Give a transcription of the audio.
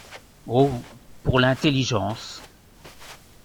Oh ! pour l’intelligence !…